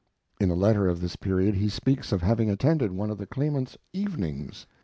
[In a letter of this period he speaks of having attended one of the Claimant's "Evenings."